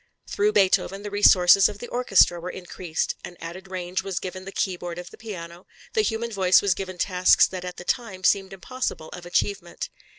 Through Beethoven the resources of the orchestra were increased, an added range was given the keyboard of the piano, the human voice was given tasks that at the time seemed impossible of achievement.